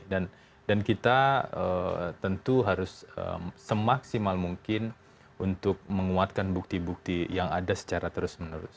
dan kita tentu harus semaksimal mungkin untuk menguatkan bukti bukti yang ada secara terus menerus